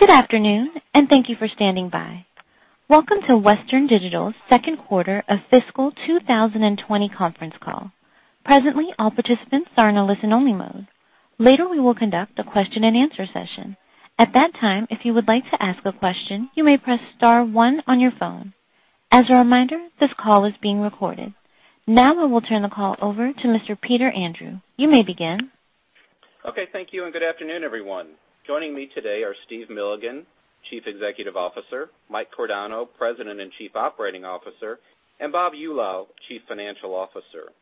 Good afternoon. Thank you for standing by. Welcome to Western Digital's second quarter of fiscal 2020 conference call. Presently, all participants are in a listen-only mode. Later, we will conduct a question and answer session. At that time, if you would like to ask a question, you may press star one on your phone. As a reminder, this call is being recorded. We will turn the call over to Mr. Peter Andrew. You may begin. Okay. Thank you, and good afternoon, everyone. Joining me today are Steve Milligan, Chief Executive Officer, Mike Cordano, President and Chief Operating Officer, and Bob Eulau, Chief Financial Officer.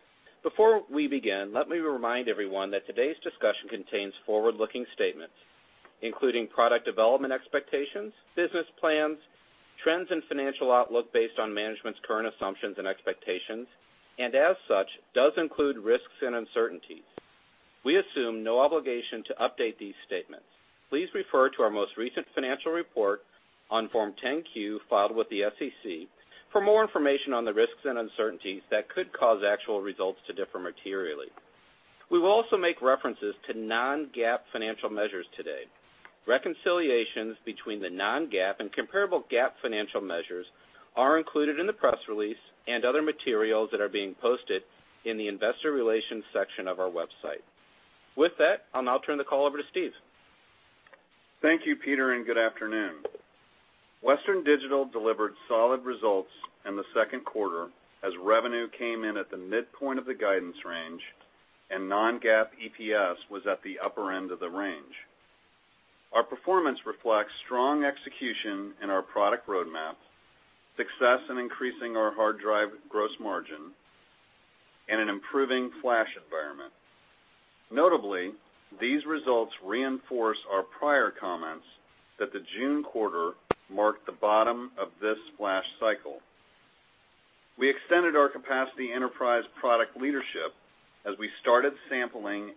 Before we begin, let me remind everyone that today's discussion contains forward-looking statements, including product development expectations, business plans, trends in financial outlook based on management's current assumptions and expectations, and as such, does include risks and uncertainties. We assume no obligation to update these statements. Please refer to our most recent financial report on Form 10-Q filed with the SEC for more information on the risks and uncertainties that could cause actual results to differ materially. We will also make references to non-GAAP financial measures today. Reconciliations between the non-GAAP and comparable GAAP financial measures are included in the press release and other materials that are being posted in the investor relations section of our website. With that, I'll now turn the call over to Steve. Thank you, Peter, and good afternoon. Western Digital delivered solid results in the second quarter as revenue came in at the midpoint of the guidance range, and non-GAAP EPS was at the upper end of the range. Our performance reflects strong execution in our product roadmap, success in increasing our hard drive gross margin, and an improving flash environment. Notably, these results reinforce our prior comments that the June quarter marked the bottom of this flash cycle. We extended our capacity enterprise product leadership as we started sampling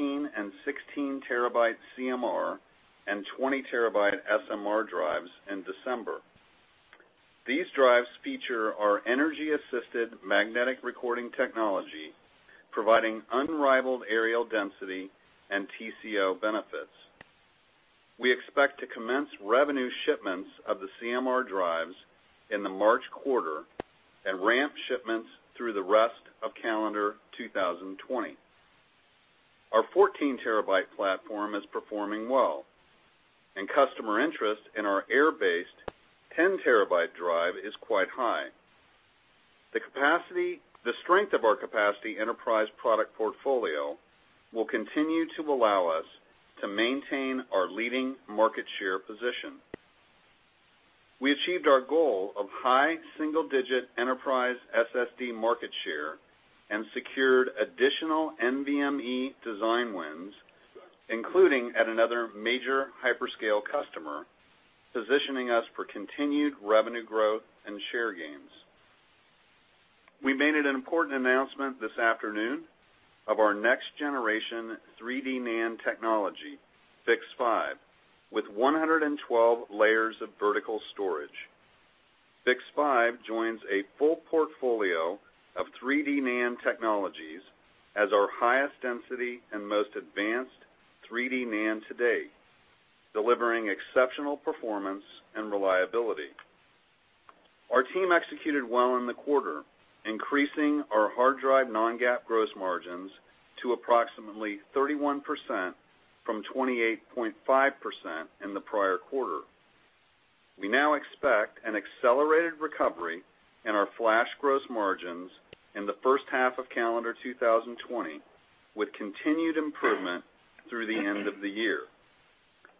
18- and 16-terabyte CMR and 20-terabyte SMR drives in December. These drives feature our energy-assisted magnetic recording technology, providing unrivaled areal density and TCO benefits. We expect to commence revenue shipments of the CMR drives in the March quarter and ramp shipments through the rest of calendar 2020. Our 14-terabyte platform is performing well, and customer interest in our air-based 10-terabyte drive is quite high. The strength of our capacity enterprise product portfolio will continue to allow us to maintain our leading market share position. We achieved our goal of high single-digit enterprise SSD market share and secured additional NVMe design wins, including at another major hyperscale customer, positioning us for continued revenue growth and share gains. We made an important announcement this afternoon of our next-generation 3D NAND technology, BiCS5, with 112 layers of vertical storage. BiCS5 joins a full portfolio of 3D NAND technologies as our highest density and most advanced 3D NAND to date, delivering exceptional performance and reliability. Our team executed well in the quarter, increasing our hard drive non-GAAP gross margins to approximately 31% from 28.5% in the prior quarter. We now expect an accelerated recovery in our flash gross margins in the first half of calendar 2020, with continued improvement through the end of the year.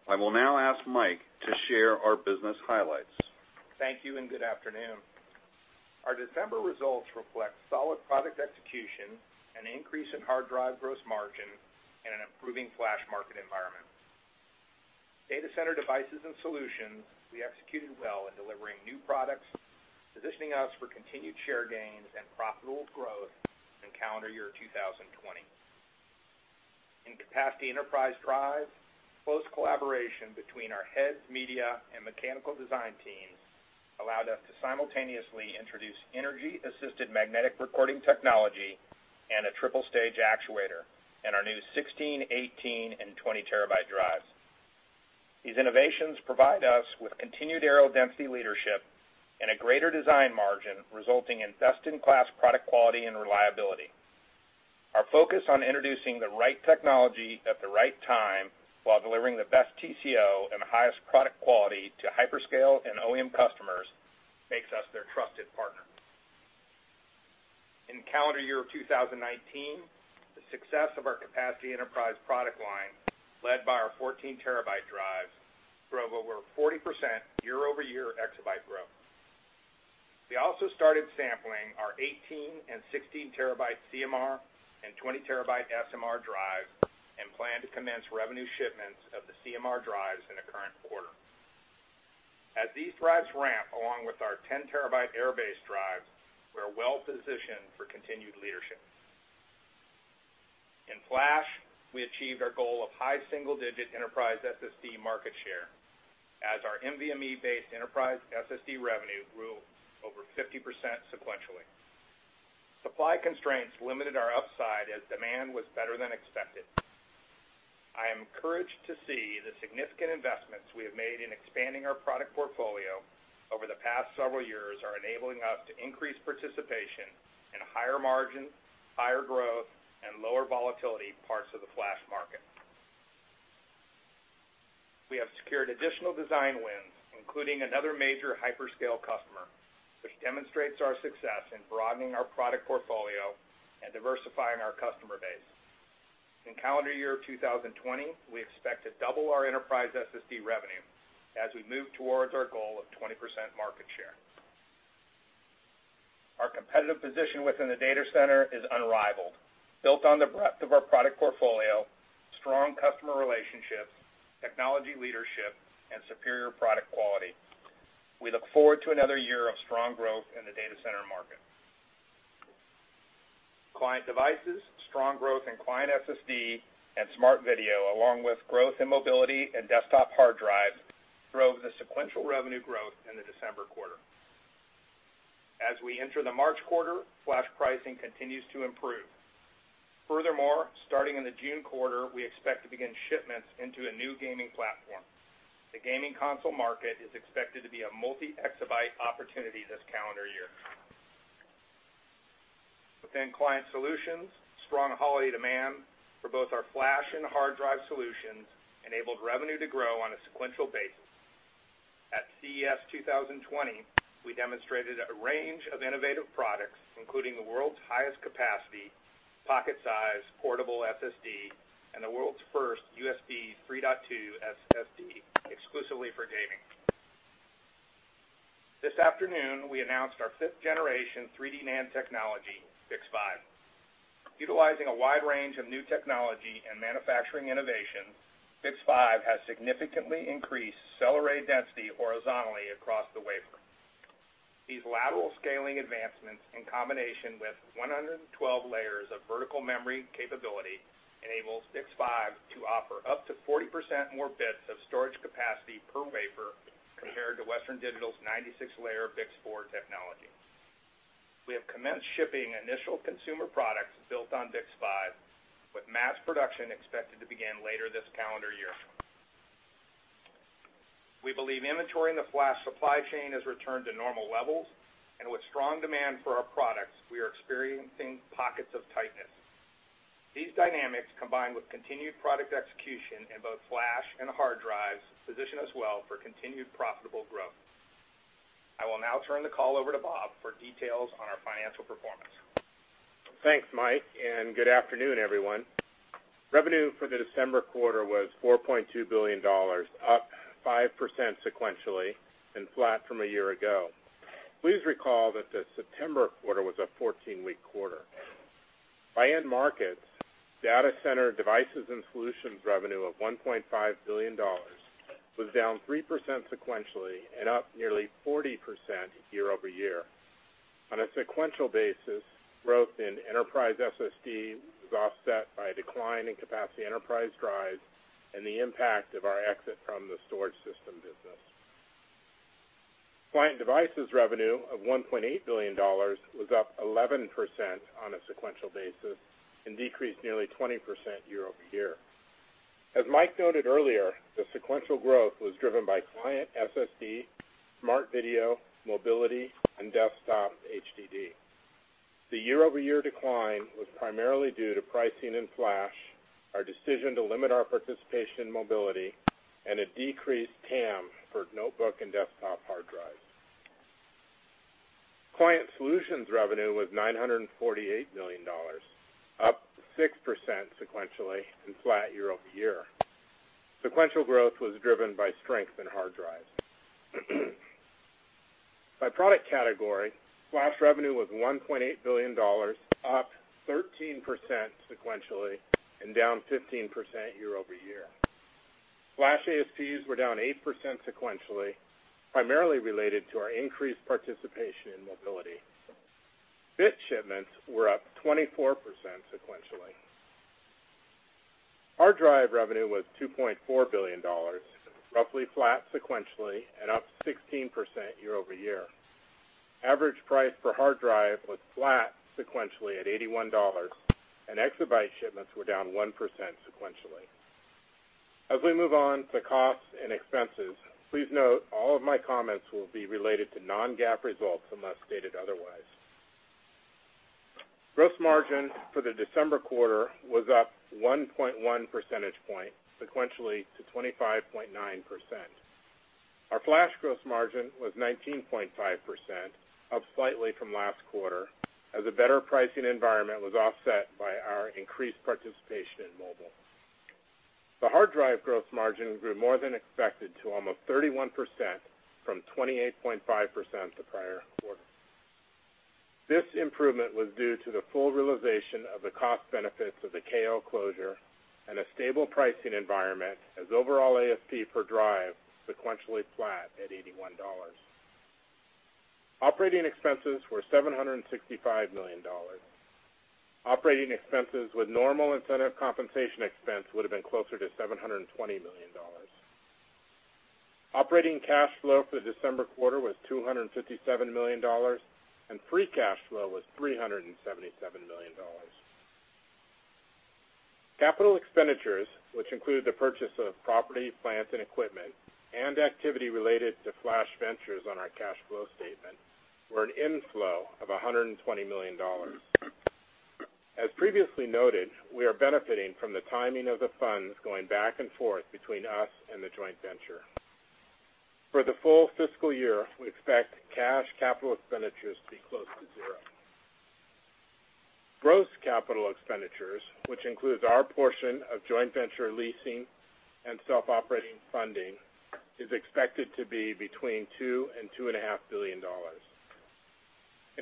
I will now ask Mike to share our business highlights. Thank you, and good afternoon. Our December results reflect solid product execution, an increase in hard drive gross margin, and an improving flash market environment. Data center devices and solutions, we executed well in delivering new products, positioning us for continued share gains and profitable growth in calendar year 2020. In capacity enterprise drives, close collaboration between our heads, media, and mechanical design teams allowed us to simultaneously introduce energy-assisted magnetic recording technology and a triple-stage actuator in our new 16, 18, and 20-terabyte drives. These innovations provide us with continued areal density leadership and a greater design margin, resulting in best-in-class product quality and reliability. Our focus on introducing the right technology at the right time, while delivering the best TCO and the highest product quality to hyperscale and OEM customers, makes us their trusted partner. In calendar year 2019, the success of our capacity enterprise product line, led by our 14-terabyte drives, drove over 40% year-over-year exabyte growth. We also started sampling our 18- and 16-terabyte CMR and 20-terabyte SMR drives and plan to commence revenue shipments of the CMR drives in the current quarter. As these drives ramp, along with our 10-terabyte air-based drive, we are well-positioned for continued leadership. In flash, we achieved our goal of high single-digit enterprise SSD market share as our NVMe-based enterprise SSD revenue grew over 50% sequentially. Supply constraints limited our upside as demand was better than expected. I am encouraged to see the significant investments we have made in expanding our product portfolio over the past several years are enabling us to increase participation in higher margin, higher growth, and lower volatility parts of the flash market. We have secured additional design wins, including another major hyperscale customer, which demonstrates our success in broadening our product portfolio and diversifying our customer base. In calendar year 2020, we expect to double our enterprise SSD revenue as we move towards our goal of 20% market share. Our competitive position within the data center is unrivaled, built on the breadth of our product portfolio, strong customer relationships, technology leadership, and superior product quality. We look forward to another year of strong growth in the data center market. Client devices, strong growth in client SSD, and smart video, along with growth in mobility and desktop hard drive, drove the sequential revenue growth in the December quarter. As we enter the March quarter, flash pricing continues to improve. Furthermore, starting in the June quarter, we expect to begin shipments into a new gaming platform. The gaming console market is expected to be a multi-exabyte opportunity this calendar year. Within Client Solutions, strong holiday demand for both our flash and hard drive solutions enabled revenue to grow on a sequential basis. At CES 2020, we demonstrated a range of innovative products, including the world's highest capacity, pocket-sized portable SSD, and the world's first USB 3.2 SSD exclusively for gaming. This afternoon, we announced our fifth-generation 3D NAND technology, BiCS5. Utilizing a wide range of new technology and manufacturing innovation, BiCS5 has significantly increased cell array density horizontally across the wafer. These lateral scaling advancements, in combination with 112 layers of vertical memory capability, enables BiCS5 to offer up to 40% more bits of storage capacity per wafer compared to Western Digital's 96-layer BiCS4 technology. We have commenced shipping initial consumer products built on BiCS5, with mass production expected to begin later this calendar year. We believe inventory in the Flash supply chain has returned to normal levels, and with strong demand for our products, we are experiencing pockets of tightness. These dynamics, combined with continued product execution in both Flash and hard drives, position us well for continued profitable growth. I will now turn the call over to Bob for details on our financial performance. Thanks, Mike, and good afternoon, everyone. Revenue for the December quarter was $4.2 billion, up 5% sequentially and flat from a year ago. Please recall that the September quarter was a 14-week quarter. By end markets, data center devices and solutions revenue of $1.5 billion was down 3% sequentially and up nearly 40% year-over-year. On a sequential basis, growth in enterprise SSD was offset by a decline in capacity enterprise drives and the impact of our exit from the storage system business. Client devices revenue of $1.8 billion was up 11% on a sequential basis and decreased nearly 20% year-over-year. As Mike noted earlier, the sequential growth was driven by client SSD, smart video, mobility, and desktop HDD. The year-over-year decline was primarily due to pricing in flash, our decision to limit our participation in mobility, and a decreased TAM for notebook and desktop hard drives. Client Solutions revenue was $948 million, up 6% sequentially and flat year-over-year. Sequential growth was driven by strength in hard drives. By product category, flash revenue was $1.8 billion, up 13% sequentially and down 15% year-over-year. Flash ASPs were down 8% sequentially, primarily related to our increased participation in mobility. Bit shipments were up 24% sequentially. Hard drive revenue was $2.4 billion, roughly flat sequentially and up 16% year-over-year. Average price per hard drive was flat sequentially at $81, and exabyte shipments were down 1% sequentially. As we move on to costs and expenses, please note all of my comments will be related to non-GAAP results unless stated otherwise. Gross margin for the December quarter was up 1.1 percentage point sequentially to 25.9%. Our flash gross margin was 19.5%, up slightly from last quarter, as a better pricing environment was offset by our increased participation in mobile. The hard drive gross margin grew more than expected to almost 31% from 28.5% the prior quarter. This improvement was due to the full realization of the cost benefits of the KL closure and a stable pricing environment as overall ASP per drive sequentially flat at $81. Operating expenses were $765 million. Operating expenses with normal incentive compensation expense would have been closer to $720 million. Operating cash flow for the December quarter was $257 million, and free cash flow was $377 million. Capital expenditures, which include the purchase of property, plant, and equipment, and activity related to flash ventures on our cash flow statement, were an inflow of $120 million. As previously noted, we are benefiting from the timing of the funds going back and forth between us and the joint venture. For the full fiscal year, we expect cash capital expenditures to be close to zero. Gross capital expenditures, which includes our portion of joint venture leasing and self-operating funding, is expected to be between $2 billion and $2.5 billion.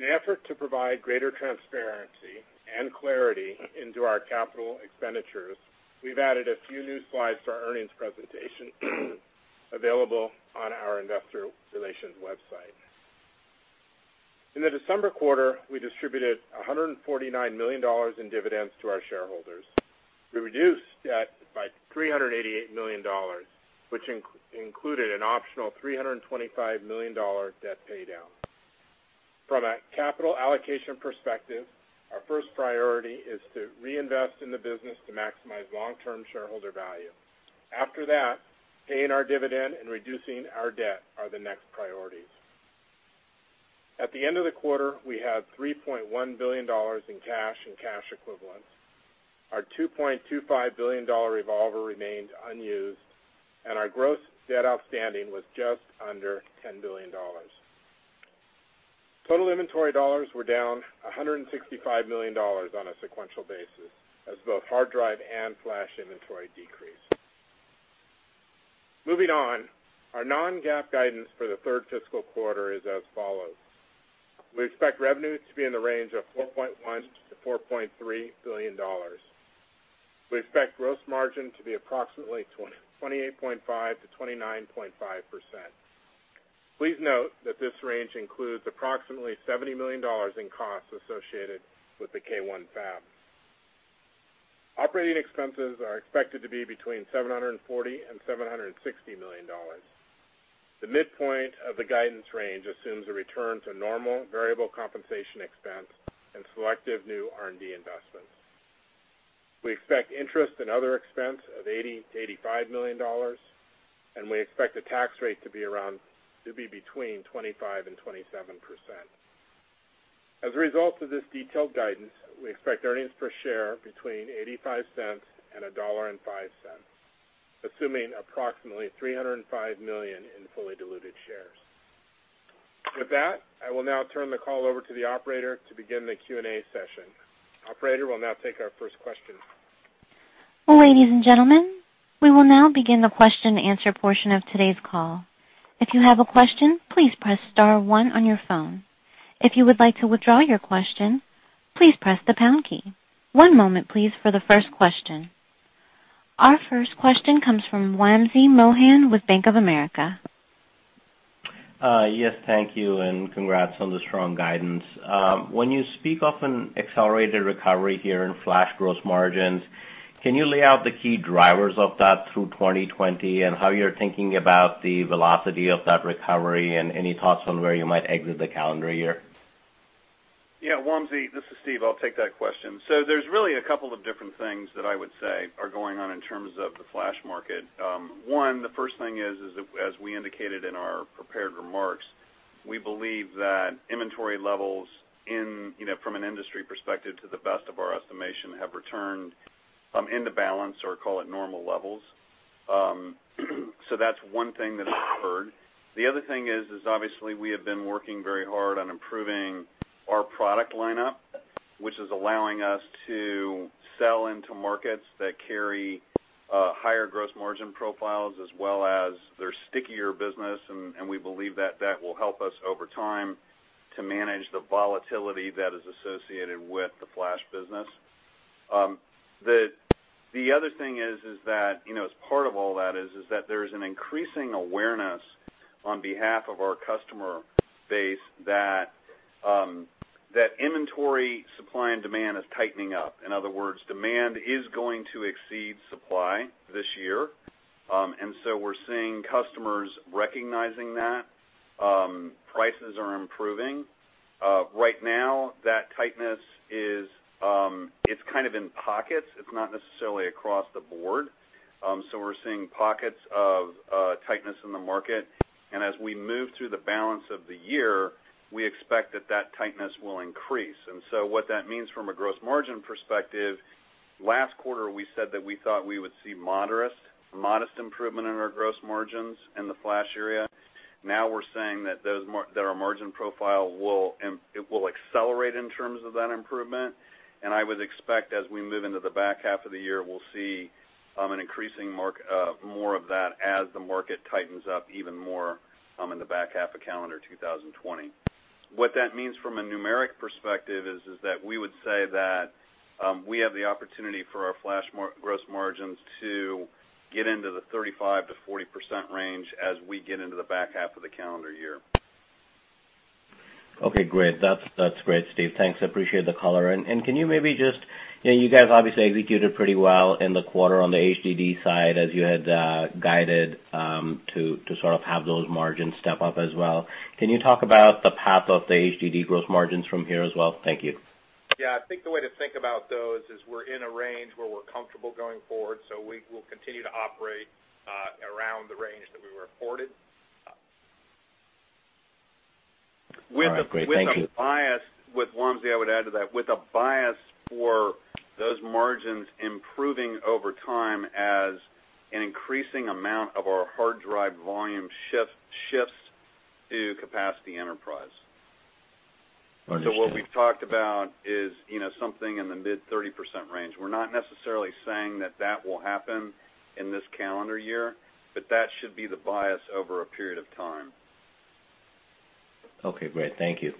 In an effort to provide greater transparency and clarity into our capital expenditures, we've added a few new slides to our investor relations website. In the December quarter, we distributed $149 million in dividends to our shareholders. We reduced debt by $388 million, which included an optional $325 million debt paydown. From a capital allocation perspective, our first priority is to reinvest in the business to maximize long-term shareholder value. After that, paying our dividend and reducing our debt are the next priorities. At the end of the quarter, we had $3.1 billion in cash and cash equivalents. Our $2.25 billion revolver remained unused, and our gross debt outstanding was just under $10 billion. Total inventory dollars were down $165 million on a sequential basis, as both hard drive and flash inventory decreased. Moving on. Our non-GAAP guidance for the third fiscal quarter is as follows. We expect revenue to be in the range of $4.1 billion-$4.3 billion. We expect gross margin to be approximately 28.5%-29.5%. Please note that this range includes approximately $70 million in costs associated with the K1 fab. Operating expenses are expected to be between $740 million and $760 million. The midpoint of the guidance range assumes a return to normal variable compensation expense and selective new R&D investments. We expect interest in other expense of $80 million-$85 million, and we expect the tax rate to be between 25% and 27%. As a result of this detailed guidance, we expect earnings per share between $0.85 and $1.05, assuming approximately 305 million in fully diluted shares. With that, I will now turn the call over to the operator to begin the Q&A session. Operator, we will now take our first question. Ladies and gentlemen, we will now begin the question and answer portion of today's call. If you have a question, please press star one on your phone. If you would like to withdraw your question, please press the pound key. One moment, please, for the first question. Our first question comes from Wamsi Mohan with Bank of America. Yes, thank you. Congrats on the strong guidance. When you speak of an accelerated recovery here in flash gross margins, can you lay out the key drivers of that through 2020, how you're thinking about the velocity of that recovery, and any thoughts on where you might exit the calendar year? Yeah, Wamsi, this is Steve. I'll take that question. There's really a couple of different things that I would say are going on in terms of the flash market. One, the first thing is, as we indicated in our prepared remarks, we believe that inventory levels from an industry perspective, to the best of our estimation, have returned into balance or call it normal levels. That's one thing that's occurred. The other thing is obviously we have been working very hard on improving our product lineup, which is allowing us to sell into markets that carry higher gross margin profiles as well as their stickier business. We believe that that will help us over time to manage the volatility that is associated with the flash business. The other thing is that as part of all that is that there is an increasing awareness on behalf of our customer base that inventory supply and demand is tightening up. In other words, demand is going to exceed supply this year. We're seeing customers recognizing that. Prices are improving. Right now, that tightness is kind of in pockets. It's not necessarily across the board. We're seeing pockets of tightness in the market. As we move through the balance of the year, we expect that that tightness will increase. What that means from a gross margin perspective, last quarter, we said that we thought we would see modest improvement in our gross margins in the flash area. Now we're saying that our margin profile will accelerate in terms of that improvement. I would expect as we move into the back half of the year, we'll see an increasing more of that as the market tightens up even more in the back half of calendar 2020. What that means from a numeric perspective is that we would say that we have the opportunity for our flash gross margins to get into the 35%-40% range as we get into the back half of the calendar year. Okay, great. That's great, Steve. Thanks. I appreciate the color. You guys obviously executed pretty well in the quarter on the HDD side as you had guided to sort of have those margins step up as well. Can you talk about the path of the HDD gross margins from here as well? Thank you. Yeah. I think the way to think about those is we're in a range where we're comfortable going forward, so we will continue to operate around the range that we reported. All right, great. Thank you. With one thing I would add to that, with a bias for those margins improving over time as an increasing amount of our hard drive volume shifts to capacity enterprise. Understood. What we've talked about is something in the mid 30% range. We're not necessarily saying that that will happen in this calendar year, but that should be the bias over a period of time. Okay, great. Thank you.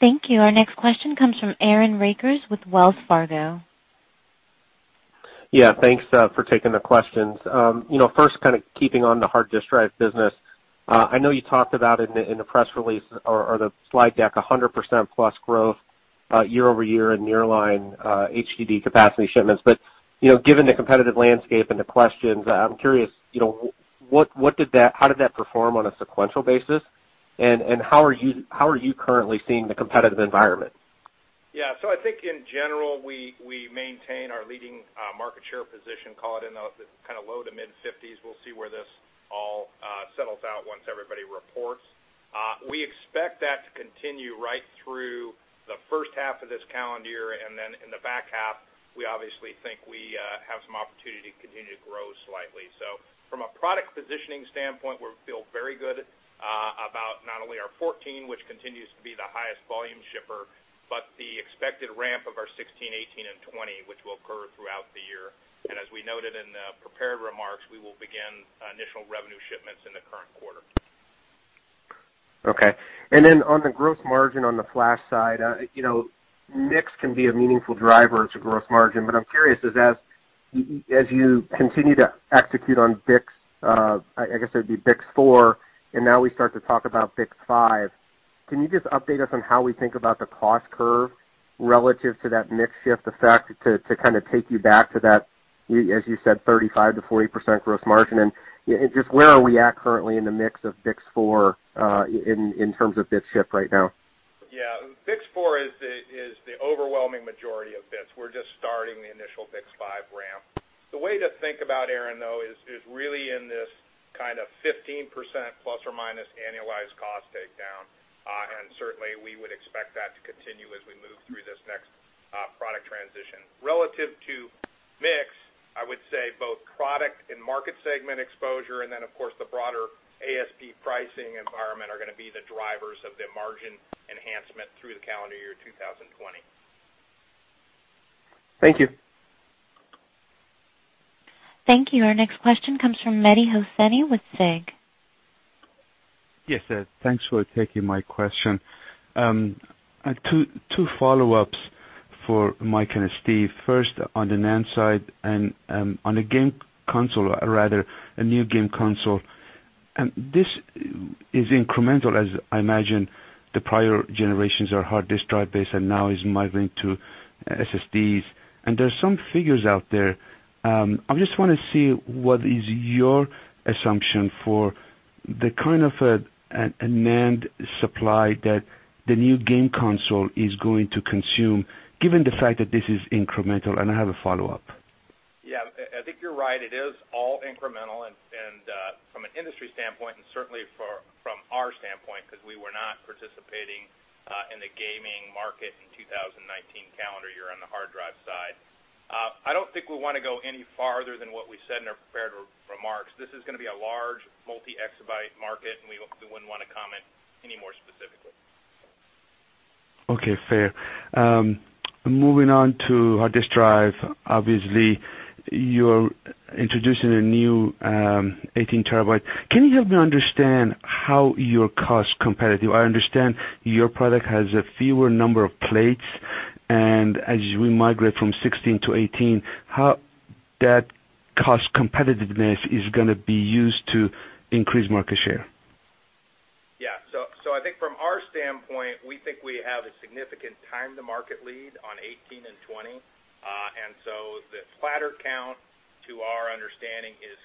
Thank you. Our next question comes from Aaron Rakers with Wells Fargo. Yeah. Thanks for taking the questions. First, kind of keeping on the hard disk drive business. I know you talked about it in the press release or the slide deck, 100% plus growth year-over-year in nearline HDD capacity shipments. Given the competitive landscape and the questions, I'm curious, how did that perform on a sequential basis, and how are you currently seeing the competitive environment? Yeah. I think in general, we maintain our leading market share position, call it in the low to mid-50s. We will see where this all settles out once everybody reports. We expect that to continue right through the first half of this calendar year, and then in the back half, we obviously think we have some opportunity to continue to grow slightly. From a product positioning standpoint, we feel very good about not only our 14, which continues to be the highest volume shipper, but the expected ramp of our 16, 18, and 20, which will occur throughout the year. As we noted in the prepared remarks, we will begin initial revenue shipments in the current quarter. On the gross margin on the flash side, mix can be a meaningful driver to gross margin. I'm curious, as you continue to execute on BiCS, I guess it would be BiCS4, and now we start to talk about BiCS5, can you just update us on how we think about the cost curve relative to that mix shift effect to kind of take you back to that, as you said, 35%-40% gross margin? Just where are we at currently in the mix of BiCS4 in terms of bit shift right now? Yeah. BiCS4 is the overwhelming majority of bits. We're just starting the initial BiCS5 ramp. The way to think about, Aaron, though, is really in this kind of 15% ± annualized cost takedown, and certainly we would expect that to continue as we move through this next product transition. Relative to mix, I would say both product and market segment exposure, and then of course, the broader ASP pricing environment are going to be the drivers of the margin enhancement through the calendar year 2020. Thank you. Thank you. Our next question comes from Mehdi Hosseini with SIG. Yes. Thanks for taking my question. Two follow-ups for Mike and Steve. First, on the NAND side and on the game console, rather a new game console. This is incremental, as I imagine the prior generations are hard disk drive-based and now is migrating to SSDs. There's some figures out there. I just want to see what is your assumption for the kind of a NAND supply that the new game console is going to consume given the fact that this is incremental? I have a follow-up. Yeah. I think you're right. It is all incremental, and from an industry standpoint, and certainly from our standpoint, because we were not participating in the gaming market in 2019 calendar year on the hard drive side. I don't think we want to go any farther than what we said in our prepared remarks. This is going to be a large multi-exabyte market, and we wouldn't want to comment any more specifically. Okay, fair. Moving on to hard disk drive, obviously, you're introducing a new 18 terabyte. Can you help me understand how you're cost competitive? I understand your product has a fewer number of plates, and as we migrate from 16 to 18, how that cost competitiveness is going to be used to increase market share. Yeah. I think from our standpoint, we think we have a significant time-to-market lead on 18 and 20. The platter count, to our understanding, is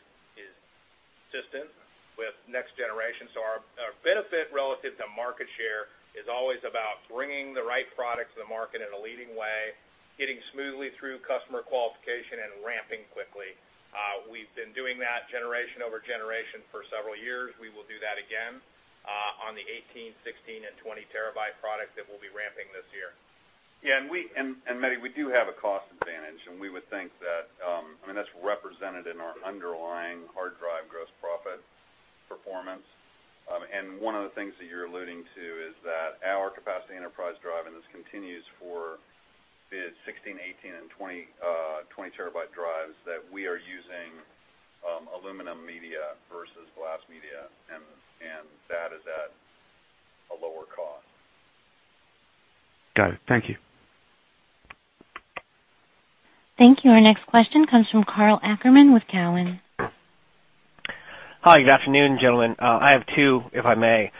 consistent with next generation. Our benefit relative to market share is always about bringing the right product to the market in a leading way, getting smoothly through customer qualification, and ramping quickly. We've been doing that generation-over-generation for several years. We will do that again on the 18, 16, and 20 terabyte product that we'll be ramping this year. Yeah. Mehdi, we do have a cost advantage, and we would think that, I mean, that's represented in our underlying hard drive gross profit performance. One of the things that you're alluding to is that our capacity enterprise drive, and this continues for the 16, 18, and 20 terabyte drives, that we are using aluminum media versus glass media, and that is at a lower cost. Got it. Thank you. Thank you. Our next question comes from Karl Ackerman with Cowen. Hi. Good afternoon, gentlemen. I have two, if I may.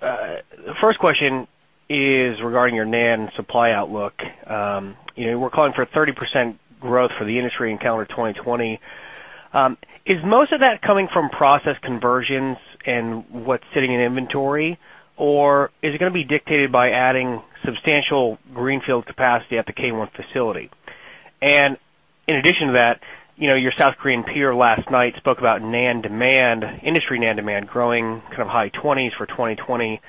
The first question is regarding your NAND supply outlook. We're calling for a 30% growth for the industry in calendar 2020. Is most of that coming from process conversions and what's sitting in inventory, or is it going to be dictated by adding substantial greenfield capacity at the K1 facility? In addition to that, your South Korean peer last night spoke about industry NAND demand growing high 20s for 2020.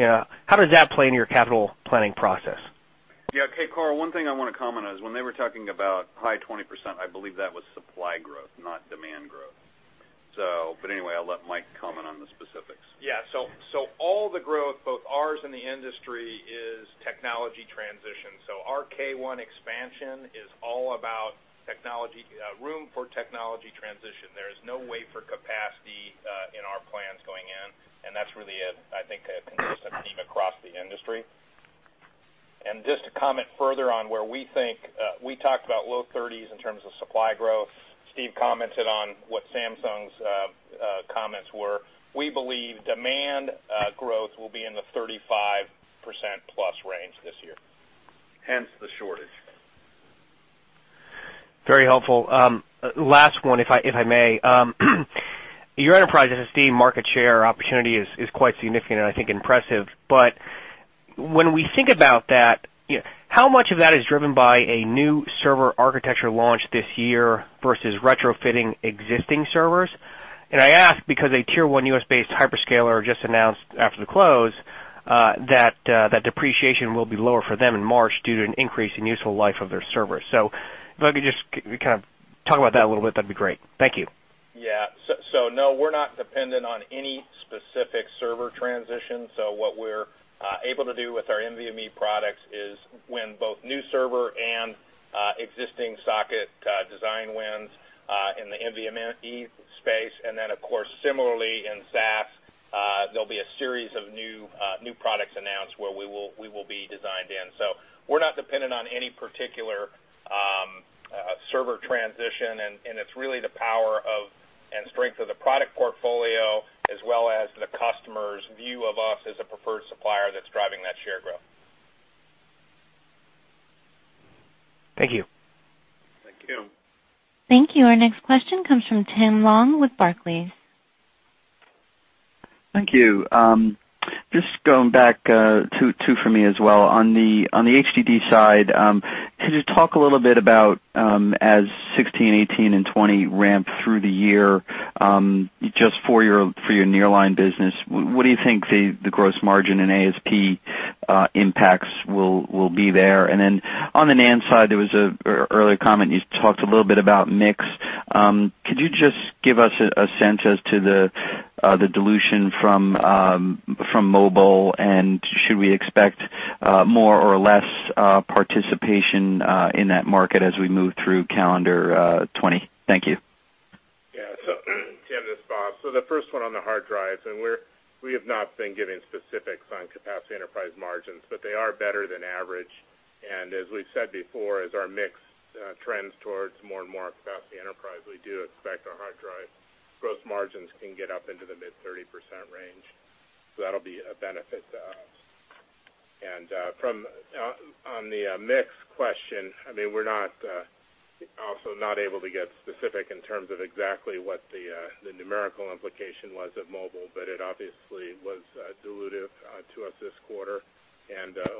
How does that play into your capital planning process? Yeah. Okay, Karl, one thing I want to comment on is, when they were talking about high 20%, I believe that was supply growth, not demand growth. Anyway, I'll let Mike comment on the specifics. All the growth, both ours and the industry, is technology transition. There is no wafer capacity in our plans going in, and that's really, I think, a consistent theme across the industry. Just to comment further on where we think, we talked about low 30s in terms of supply growth. Steve commented on what Samsung's comments were. We believe demand growth will be in the 35%-plus range this year. Hence the shortage. Very helpful. Last one, if I may. Your enterprise SSD market share opportunity is quite significant and I think impressive. When we think about that, how much of that is driven by a new server architecture launch this year versus retrofitting existing servers? I ask because a Tier 1 US-based hyperscaler just announced after the close that depreciation will be lower for them in March due to an increase in useful life of their servers. If you could just talk about that a little bit, that'd be great. Thank you. Yeah. No, we're not dependent on any specific server transition. What we're able to do with our NVMe products is win both new server and existing socket design wins in the NVMe space, and then of course, similarly in SAS, there'll be a series of new products announced where we will be designed in. We're not dependent on any particular server transition, and it's really the power of and strength of the product portfolio as well as the customer's view of us as a preferred supplier that's driving that share growth. Thank you. Thank you. Thank you. Our next question comes from Tim Long with Barclays. Thank you. Just going back, two for me as well. On the HDD side, could you talk a little bit about, as 2016, 2018, and 2020 ramp through the year, just for your nearline business, what do you think the gross margin and ASP impacts will be there? On the NAND side, there was an earlier comment, you talked a little bit about mix. Could you just give us a sense as to the dilution from mobile, and should we expect more or less participation in that market as we move through calendar 2020? Thank you. Yeah. Tim, this is Bob. The first one on the hard drives, and we have not been giving specifics on capacity enterprise margins, but they are better than average. As we've said before, as our mix trends towards more and more capacity enterprise, we do expect our hard drive gross margins can get up into the mid-30% range. That'll be a benefit to us. On the mix question, we're also not able to get specific in terms of exactly what the numerical implication was of mobile, but it obviously was dilutive to us this quarter.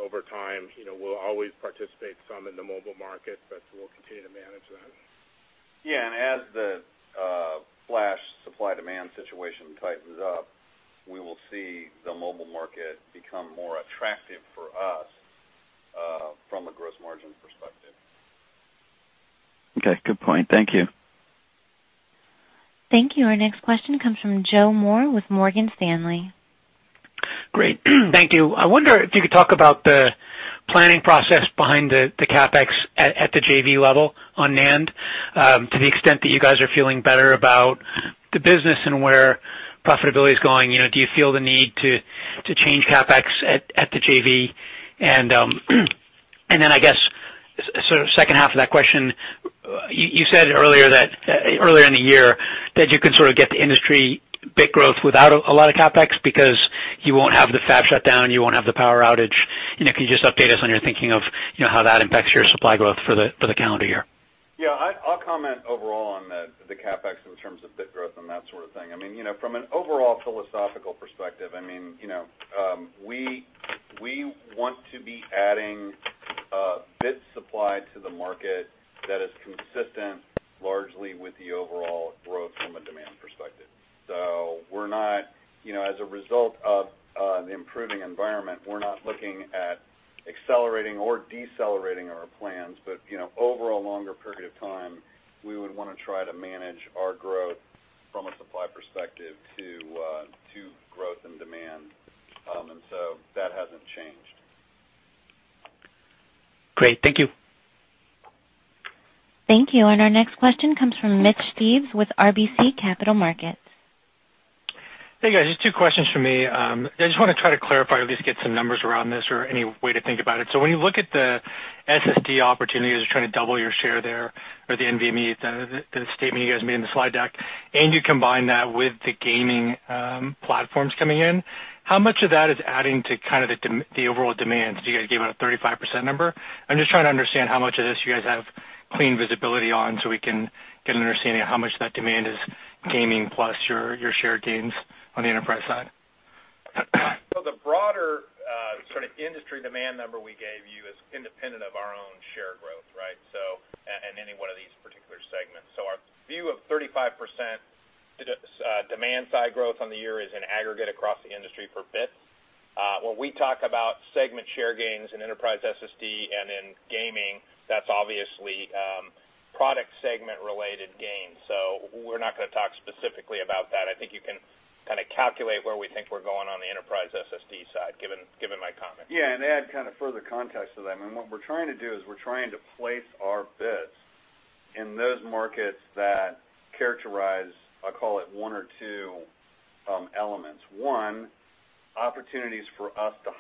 Over time, we'll always participate some in the mobile market, but we'll continue to manage that. Yeah, as the flash supply-demand situation tightens up, we will see the mobile market become more attractive for us from a gross margin perspective. Okay, good point. Thank you. Thank you. Our next question comes from Joseph Moore with Morgan Stanley. Great. Thank you. I wonder if you could talk about the planning process behind the CapEx at the JV level on NAND, to the extent that you guys are feeling better about the business and where profitability is going. Do you feel the need to change CapEx at the JV? I guess, sort of second half of that question, you said earlier in the year that you could sort of get the industry bit growth without a lot of CapEx because you won't have the fab shutdown, you won't have the power outage. Can you just update us on your thinking of how that impacts your supply growth for the calendar year? Yeah, I'll comment overall on the CapEx in terms of bit growth and that sort of thing. From an overall philosophical perspective, we want to be adding bit supply to the market that is consistent largely with the overall growth from a demand perspective. As a result of the improving environment, we're not looking at accelerating or decelerating our plans. Over a longer period of time, we would want to try to manage our growth from a supply perspective to growth and demand. That hasn't changed. Great. Thank you. Thank you. Our next question comes from Mitch Steves with RBC Capital Markets. Hey guys, just two questions from me. I just want to try to clarify or at least get some numbers around this or any way to think about it. When you look at the SSD opportunities, you're trying to double your share there or the NVMe, the statement you guys made in the slide deck, and you combine that with the gaming platforms coming in, how much of that is adding to the overall demand? You guys gave out a 35% number. I'm just trying to understand how much of this you guys have clean visibility on so we can get an understanding of how much that demand is gaming plus your share gains on the enterprise side. The broader sort of industry demand number we gave you is independent of our own share growth, right? Any one of these particular segments. Our view of 35% demand side growth on the year is an aggregate across the industry for bit. When we talk about segment share gains in enterprise SSD and in gaming, that's obviously product segment-related gains. We're not going to talk specifically about that. I think you can calculate where we think we're going on the enterprise SSD side, given my comments. Yeah, to add further context to that, I mean, what we're trying to do is we're trying to place our bits in those markets that characterize, I call it one or two elements. One, opportunities for us to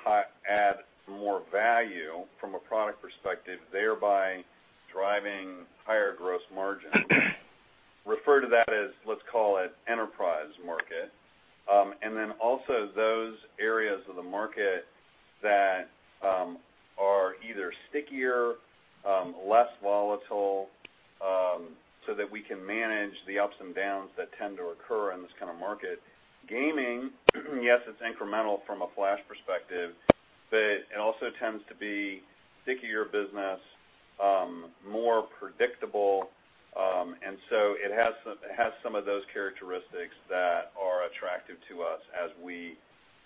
add some more value from a product perspective, thereby driving higher gross margin. Refer to that as, let's call it enterprise market. Also those areas of the market that are either stickier, less volatile, so that we can manage the ups and downs that tend to occur in this kind of market. Gaming, yes, it's incremental from a flash perspective, but it also tends to be stickier business, more predictable. It has some of those characteristics that are attractive to us as we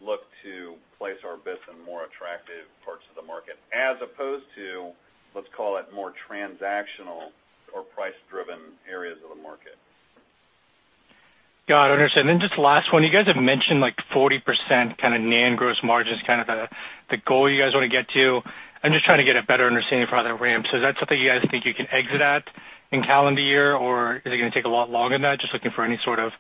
look to place our bits in more attractive parts of the market, as opposed to, let's call it more transactional or price-driven areas of the market. Got it, understood. Just the last one, you guys have mentioned 40% kind of NAND gross margin is the goal you guys want to get to. I'm just trying to get a better understanding for how that ramps. Is that something you guys think you can exit at in calendar year? Is it going to take a lot longer than that? Just looking for any sort of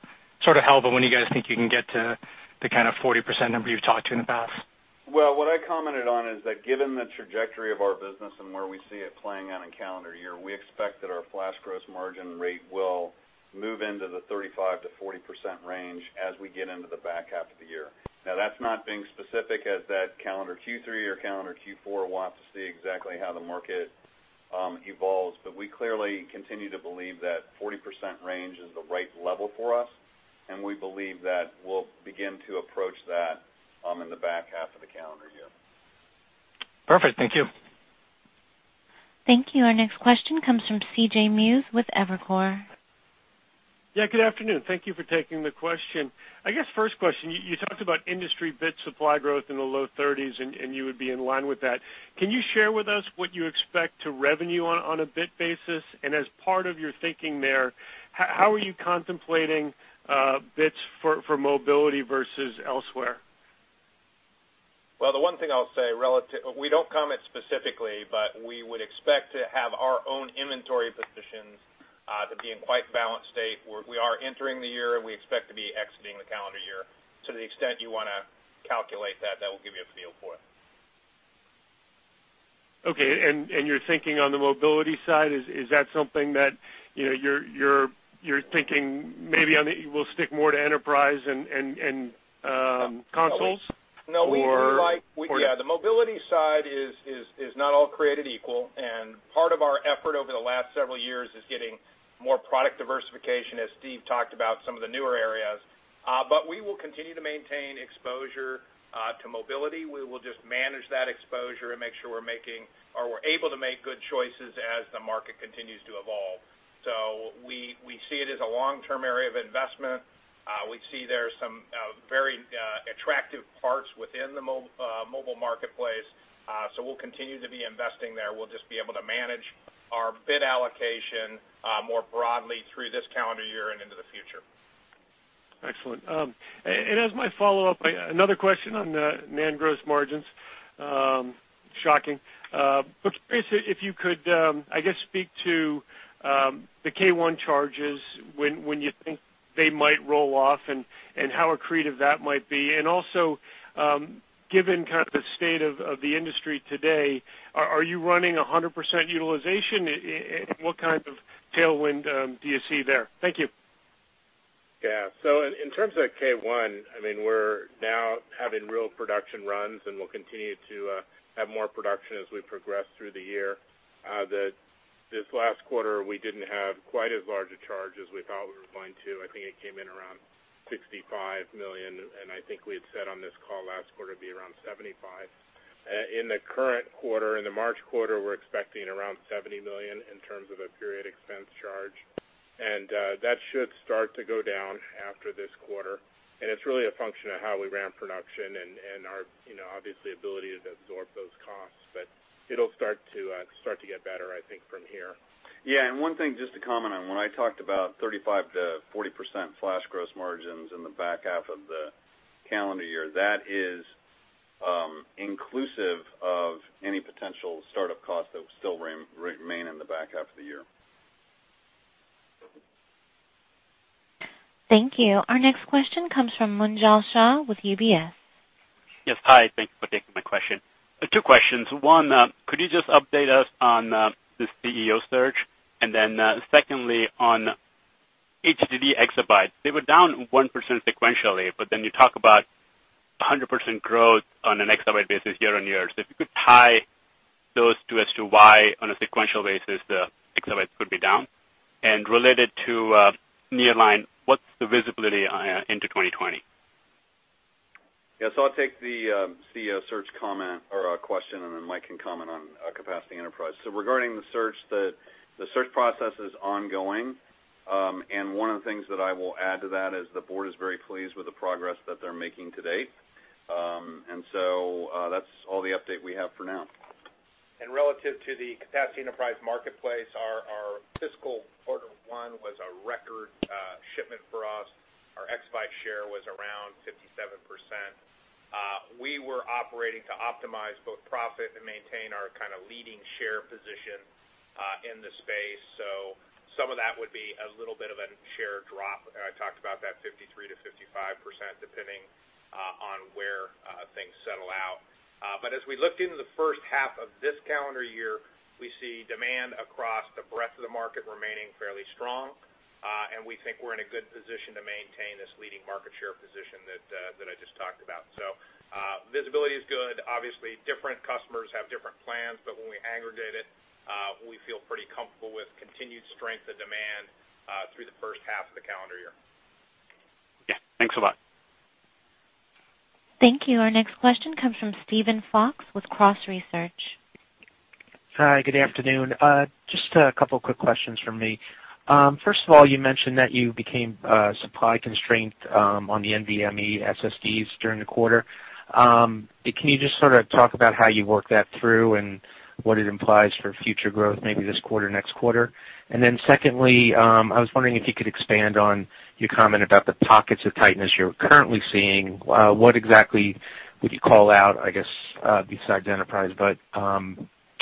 help on when you guys think you can get to the kind of 40% number you've talked to in the past. Well, what I commented on is that given the trajectory of our business and where we see it playing out in calendar year, we expect that our flash gross margin rate will move into the 35%-40% range as we get into the back half of the year. That's not being specific as that calendar Q3 or calendar Q4, we'll have to see exactly how the market evolves. We clearly continue to believe that 40% range is the right level for us, and we believe that we'll begin to approach that in the back half of the calendar year. Perfect. Thank you. Thank you. Our next question comes from C.J. Muse with Evercore. Yeah, good afternoon. Thank you for taking the question. I guess first question, you talked about industry bit supply growth in the low 30s, and you would be in line with that. Can you share with us what you expect to revenue on a bit basis? As part of your thinking there, how are you contemplating bits for mobility versus elsewhere? Well, the one thing I'll say, we don't comment specifically, but we would expect to have our own inventory positions to be in quite a balanced state, where we are entering the year and we expect to be exiting the calendar year. To the extent you want to calculate that will give you a feel for it. Okay, your thinking on the mobility side, is that something that you're thinking maybe we'll stick more to enterprise and consoles? The mobility side is not all created equal. Part of our effort over the last several years is getting more product diversification, as Steve talked about some of the newer areas. We will continue to maintain exposure to mobility. We will just manage that exposure and make sure we're making, or we're able to make good choices as the market continues to evolve. We see it as a long-term area of investment. We see there's some very attractive parts within the mobile marketplace. We'll continue to be investing there. We'll just be able to manage our bid allocation more broadly through this calendar year and into the future. Excellent. As my follow-up, another question on NAND gross margins. Shocking. If you could, I guess, speak to the K1 charges, when you think they might roll off, and how accretive that might be. Also, given the state of the industry today, are you running 100% utilization? What kind of tailwind do you see there? Thank you. Yeah. In terms of K1, I mean, we're now having real production runs, and we'll continue to have more production as we progress through the year. This last quarter, we didn't have quite as large a charge as we thought we were going to. I think it came in around $65 million, and I think we had said on this call last quarter it'd be around $75. In the current quarter, in the March quarter, we're expecting around $70 million in terms of a period expense charge. That should start to go down after this quarter. It's really a function of how we ramp production and our, obviously, ability to absorb those costs. It'll start to get better, I think, from here. One thing just to comment on, when I talked about 35%-40% flash gross margins in the back half of the calendar year, that is inclusive of any potential startup costs that will still remain in the back half of the year. Thank you. Our next question comes from Munjal Shah with UBS. Yes. Hi, thank you for taking my question. Two questions. One, could you just update us on this CEO search? Secondly, on HDD exabytes, they were down 1% sequentially, but then you talk about 100% growth on an exabyte basis year-on-year. If you could tie those two as to why on a sequential basis the exabytes would be down. Related to Nearline, what's the visibility into 2020? Yes. I'll take the CEO search comment or question, and then Mike can comment on Capacity Enterprise. Regarding the search, the search process is ongoing. One of the things that I will add to that is the Board is very pleased with the progress that they're making to date. That's all the update we have for now. Relative to the Capacity Enterprise marketplace, our fiscal quarter one was a record shipment for us. Our exabyte share was around 57%. We were operating to optimize both profit and maintain our leading share position in the space. Some of that would be a little bit of a share drop. I talked about that 53%-55%, depending on where things settle out. As we look into the first half of this calendar year, we see demand across the breadth of the market remaining fairly strong. We think we're in a good position to maintain this leading market share position that I just talked about. Visibility is good. Obviously different customers have different plans, but when we aggregate it, we feel pretty comfortable with continued strength of demand through the first half of the calendar year. Yeah. Thanks a lot. Thank you. Our next question comes from Steven Fox with Cross Research. Hi, good afternoon. Just a couple quick questions from me. First of all, you mentioned that you became supply constrained on the NVMe SSDs during the quarter. Can you just sort of talk about how you work that through and what it implies for future growth, maybe this quarter, next quarter? Secondly, I was wondering if you could expand on your comment about the pockets of tightness you're currently seeing. What exactly would you call out, I guess, besides enterprise, but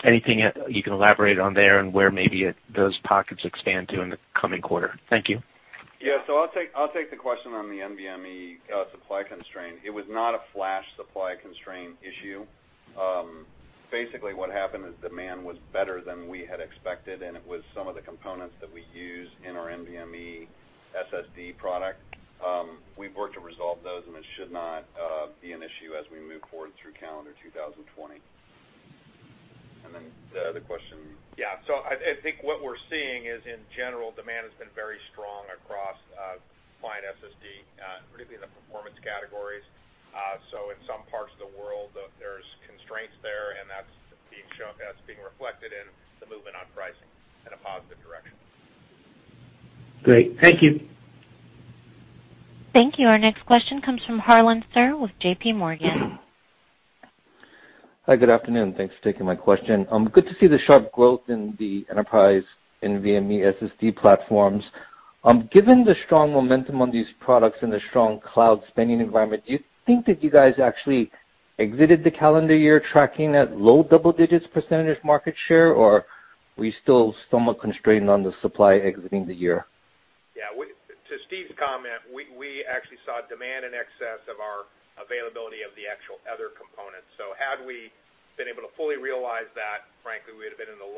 anything you can elaborate on there and where maybe those pockets expand to in the coming quarter? Thank you. I'll take the question on the NVMe supply constraint. It was not a flash supply constraint issue. Basically, what happened is demand was better than we had expected, and it was some of the components that we use in our NVMe SSD product. We've worked to resolve those, and it should not be an issue as we move forward through calendar 2020. The other question. Yeah. I think what we're seeing is in general, demand has been very strong across client SSD, particularly in the performance categories. In some parts of the world, there's constraints there, and that's being reflected in the movement on pricing in a positive direction. Great. Thank you. Thank you. Our next question comes from Harlan Sur with JPMorgan. Hi. Good afternoon. Thanks for taking my question. Good to see the sharp growth in the enterprise NVMe SSD platforms. Given the strong momentum on these products and the strong cloud spending environment, do you think that you guys actually exited the calendar year tracking at low double-digits percentage market share, or are we still somewhat constrained on the supply exiting the year? To Steve's comment, we actually saw demand in excess of our availability of the actual other components. Had we been able to fully realize that, frankly, we'd have been in the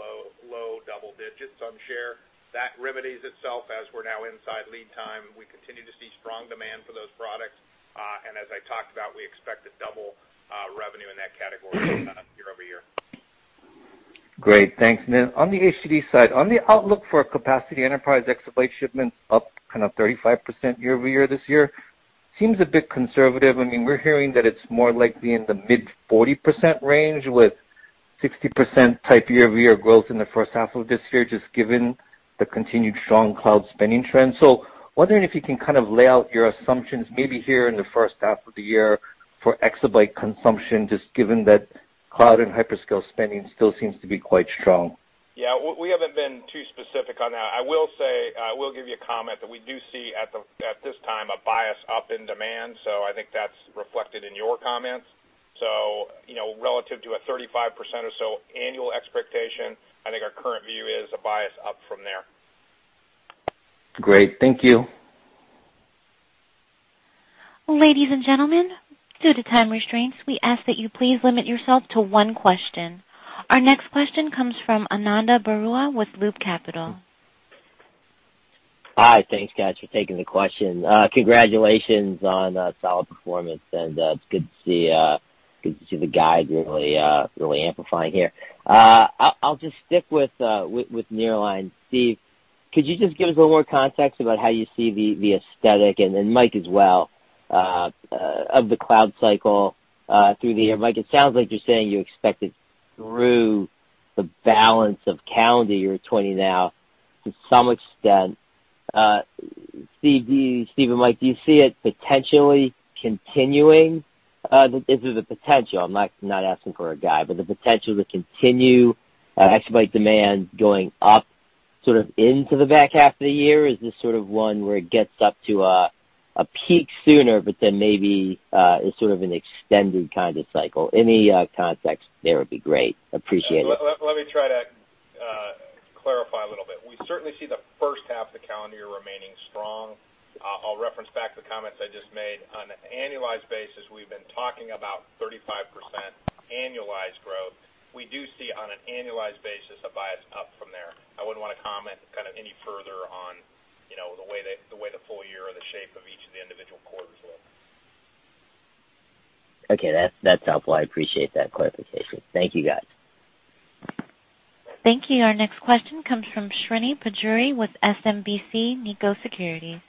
low double digits on share. That remedies itself as we're now inside lead time. We continue to see strong demand for those products. As I talked about, we expect to double revenue in that category year-over-year. Great. Thanks. Now, on the HDD side, on the outlook for Capacity Enterprise exabyte shipments up 35% year-over-year this year seems a bit conservative. We're hearing that it's more likely in the mid 40% range with 60% type year-over-year growth in the first half of this year, just given the continued strong cloud spending trends. Wondering if you can lay out your assumptions maybe here in the first half of the year for exabyte consumption, just given that cloud and hyperscale spending still seems to be quite strong. Yeah. We haven't been too specific on that. I will give you a comment that we do see at this time a bias up in demand, so I think that's reflected in your comments. Relative to a 35% or so annual expectation, I think our current view is a bias up from there. Great. Thank you. Ladies and gentlemen, due to time restraints, we ask that you please limit yourself to one question. Our next question comes from Ananda Baruah with Loop Capital. Hi. Thanks, guys, for taking the question. Congratulations on a solid performance. It's good to see the guide really amplifying here. I'll just stick with Nearline. Steve, could you just give us a little more context about how you see the exabyte, and Mike as well, of the cloud cycle through the year? Mike, it sounds like you're saying you expect it through the balance of calendar year 2020 now to some extent. Steve and Mike, do you see it potentially continuing? Is it the potential, I'm not asking for a guide, but the potential to continue exabyte demand going up into the back half of the year? Is this sort of one where it gets up to a peak sooner, but then maybe is sort of an extended kind of cycle. Any context there would be great. Appreciate it. Let me try to clarify a little bit. We certainly see the first half of the calendar year remaining strong. I'll reference back to the comments I just made. On an annualized basis, we've been talking about 35% annualized growth. We do see, on an annualized basis, a bias up from there. I wouldn't want to comment any further on the way the full-year or the shape of each of the individual quarters look. Okay. That's helpful. I appreciate that clarification. Thank you, guys. Thank you. Our next question comes from Srini Pajjuri with SMBC Nikko Securities.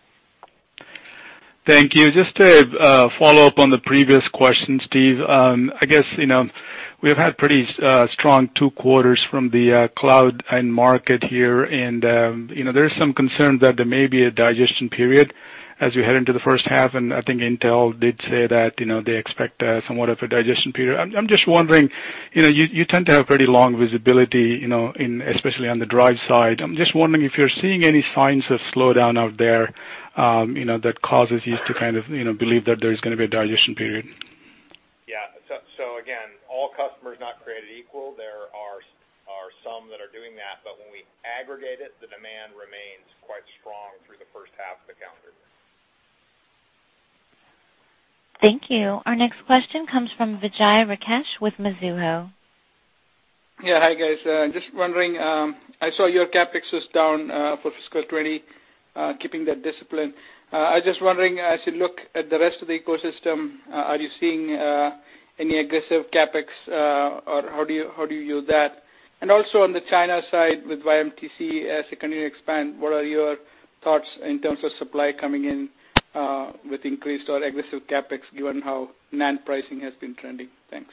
Thank you. Just to follow up on the previous question, Steve. I guess, we've had pretty strong two quarters from the cloud end market here, and there is some concern that there may be a digestion period as we head into the first half, and I think Intel did say that they expect somewhat of a digestion period. I'm just wondering, you tend to have pretty long visibility, especially on the drive side. I'm just wondering if you're seeing any signs of slowdown out there that causes you to believe that there's going to be a digestion period. Yeah. Again, all customers not created equal. There are some that are doing that, but when we aggregate it, the demand remains quite strong through the first half of the calendar year. Thank you. Our next question comes from Vijay Rakesh with Mizuho. Yeah. Hi, guys. Just wondering, I saw your CapEx was down for fiscal 2020, keeping that discipline. I was just wondering, as you look at the rest of the ecosystem, are you seeing any aggressive CapEx? How do you view that? Also on the China side with YMTC, as they continue to expand, what are your thoughts in terms of supply coming in with increased or aggressive CapEx, given how NAND pricing has been trending? Thanks.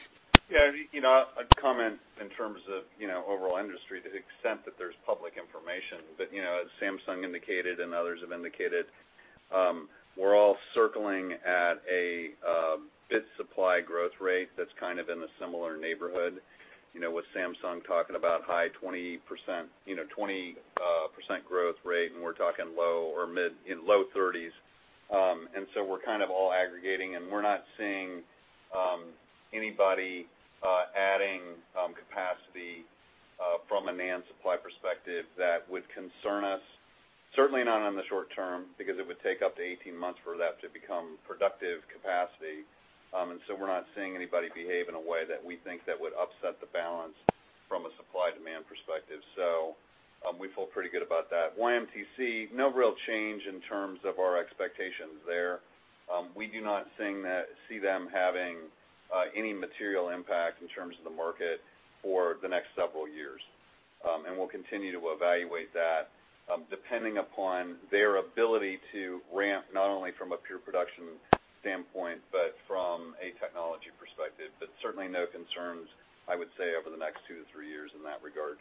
Yeah. I'd comment in terms of overall industry to the extent that there's public information. As Samsung indicated and others have indicated, we're all circling at a bit supply growth rate that's kind of in a similar neighborhood, with Samsung talking about high 20% growth rate, and we're talking low 30s. We're kind of all aggregating, and we're not seeing anybody adding capacity from a NAND supply perspective that would concern us, certainly not in the short term, because it would take up to 18 months for that to become productive capacity. We're not seeing anybody behave in a way that we think that would upset the balance from a supply-demand perspective. We feel pretty good about that. YMTC, no real change in terms of our expectations there. We do not see them having any material impact in terms of the market for the next several years. We'll continue to evaluate that depending upon their ability to ramp, not only from a pure production standpoint, but from a technology perspective. Certainly no concerns, I would say, over the next two to three years in that regard.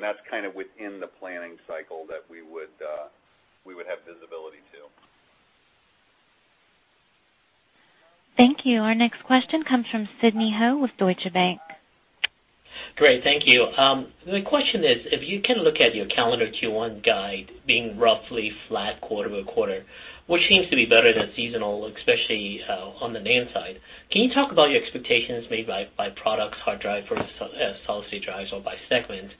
That's kind of within the planning cycle that we would have visibility to. Thank you. Our next question comes from Sidney Ho with Deutsche Bank. Great. Thank you. My question is, if you can look at your calendar Q1 guide being roughly flat quarter-over-quarter, which seems to be better than seasonal, especially on the NAND side, can you talk about your expectations maybe by products, hard drive versus solid state drives or by segment?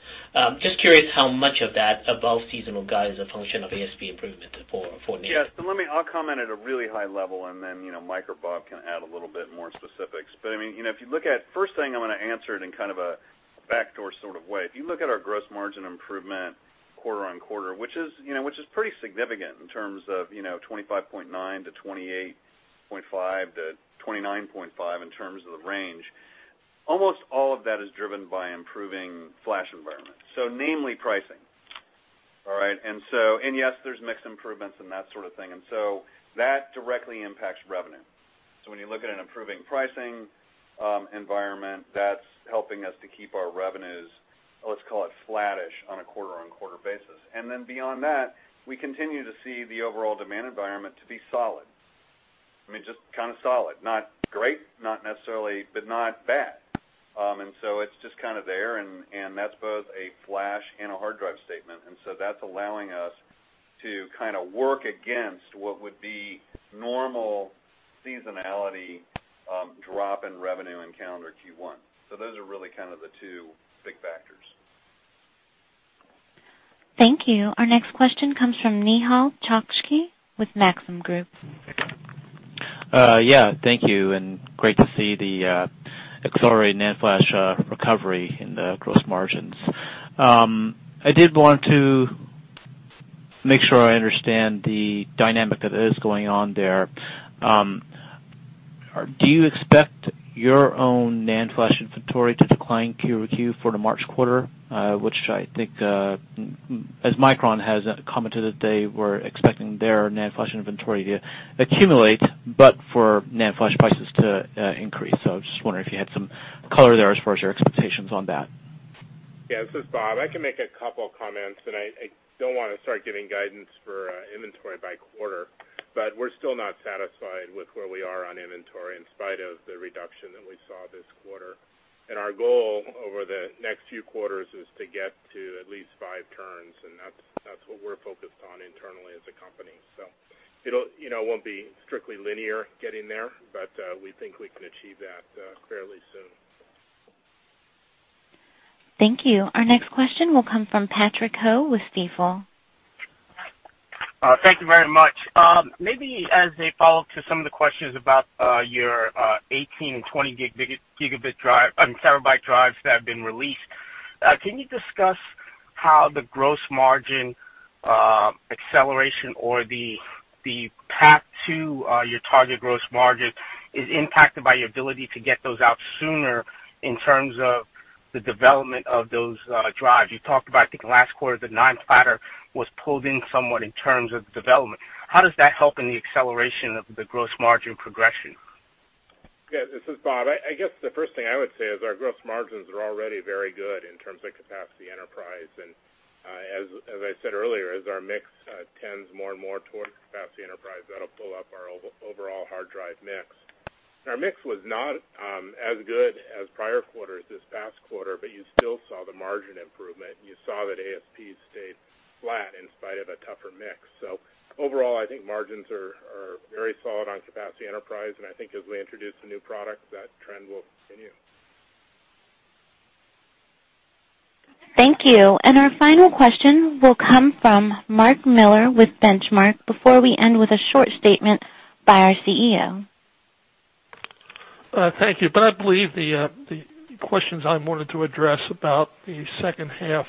Just curious how much of that above-seasonal guide is a function of ASP improvement for NAND. Yes. I'll comment at a really high level, then Mike Cordano or Bob Eulau can add a little bit more specifics. First thing, I'm going to answer it in kind of a backdoor sort of way. If you look at our gross margin improvement quarter-on-quarter, which is pretty significant in terms of 25.9 to 28.5 to 29.5 in terms of the range, almost all of that is driven by improving flash environment, namely pricing. All right? Yes, there's mix improvements and that sort of thing, and so that directly impacts revenue. When you look at an improving pricing environment, that's helping us to keep our revenues, let's call it flattish on a quarter-on-quarter basis. Beyond that, we continue to see the overall demand environment to be solid. I mean, just kind of solid. Not great, not necessarily, but not bad. It's just kind of there, and that's both a flash and a hard drive statement. That's allowing us to kind of work against what would be normal seasonality drop in revenue in calendar Q1. Those are really kind of the two big factors. Thank you. Our next question comes from Nehal Chokshi with Maxim Group. Yeah. Thank you. Great to see the accelerated NAND flash recovery in the gross margins. I did want to make sure I understand the dynamic that is going on there. Do you expect your own NAND flash inventory to decline Q-over-Q for the March quarter? I think as Micron has commented that they were expecting their NAND flash inventory to accumulate, but for NAND flash prices to increase. I was just wondering if you had some color there as far as your expectations on that. This is Bob. I can make a couple comments, and I don't want to start giving guidance for inventory by quarter, but we're still not satisfied with where we are on inventory in spite of the reduction that we saw this quarter. Our goal over the next few quarters is to get to at least five turns. That's what we're focused on internally as a company. It won't be strictly linear getting there, but we think we can achieve that fairly soon. Thank you. Our next question will come from Patrick Ho with Stifel. Thank you very much. Maybe as a follow-up to some of the questions about your 18 and 20 terabyte drives that have been released, can you discuss how the gross margin acceleration or the path to your target gross margin is impacted by your ability to get those out sooner in terms of the development of those drives? You talked about, I think last quarter, the nine platter was pulled in somewhat in terms of development. How does that help in the acceleration of the gross margin progression? Yes, this is Bob. I guess the first thing I would say is our gross margins are already very good in terms of capacity enterprise. As I said earlier, as our mix tends more and more towards capacity enterprise, that'll pull up our overall hard drive mix. Our mix was not as good as prior quarters this past quarter, you still saw the margin improvement, you saw that ASP stayed flat in spite of a tougher mix. Overall, I think margins are very solid on capacity enterprise, I think as we introduce a new product, that trend will continue. Thank you. Our final question will come from Mark Miller with Benchmark before we end with a short statement by our CEO. Thank you. I believe the questions I wanted to address about the second half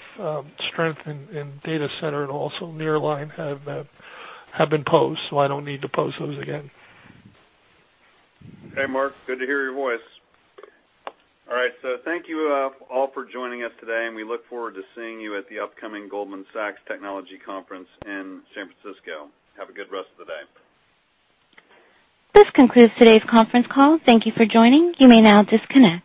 strength in data center and also nearline have been posed. I don't need to pose those again. Hey, Mark. Good to hear your voice. All right, thank you all for joining us today, and we look forward to seeing you at the upcoming Goldman Sachs Technology Conference in San Francisco. Have a good rest of the day. This concludes today's conference call. Thank you for joining. You may now disconnect.